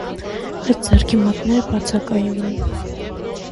Աջ ձեռքի մատները բացակայում են։